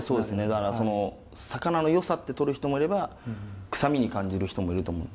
だからその魚のよさって取る人もいれば臭みに感じる人もいると思って。